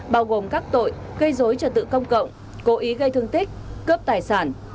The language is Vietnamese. bao gồm các tội gây dối trật tự công cộng cố ý gây thương tích cướp tài sản